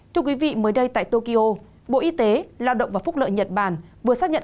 thưa quý vị mới đây tại tokyo bộ y tế lao động và phúc lợi nhật bản vừa xác nhận